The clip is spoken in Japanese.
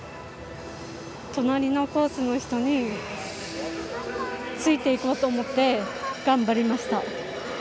隣のコースの人についていこうと思って頑張りました。